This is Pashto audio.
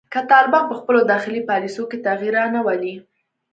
که طالبان په خپلو داخلي پالیسیو کې تغیر رانه ولي